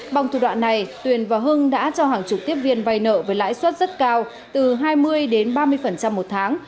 bằng thủ đoạn này tuyền và hưng đã cho hàng chục tiếp viên vay nợ với lãi suất rất cao từ hai mươi đến ba mươi một tháng